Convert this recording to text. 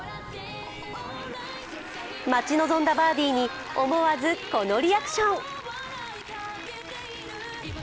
待ち望んだバーディーに思わずこのリアクション。